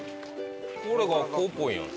これ学校っぽいやん。